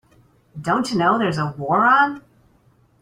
Don't you know there's a war on?